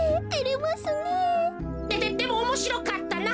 でででもおもしろかったな。